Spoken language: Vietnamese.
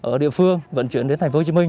ở địa phương vận chuyển đến tp hcm